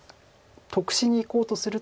得しにいこうとすると。